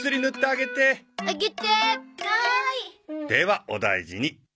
ではお大事に。